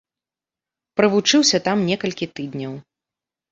Правучыўся там некалькі тыдняў.